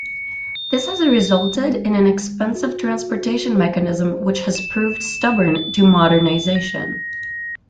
This has resulted in an expensive transportation mechanism which has proved stubborn to modernisation.